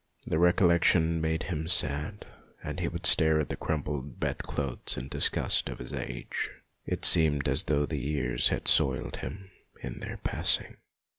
The recollection made him sad, and he would stare at the crumpled bed clothes in disgust of his age. It seemed as though the years had soiled him in their passing.